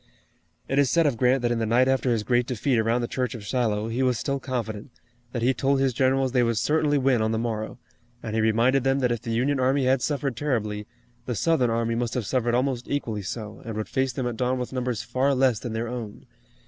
It is said of Grant that in the night after his great defeat around the church of Shiloh, he was still confident, that he told his generals they would certainly win on the morrow, and he reminded them that if the Union army had suffered terribly, the Southern army must have suffered almost equally so, and would face them at dawn with numbers far less than their own.